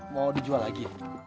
mau dijual lagi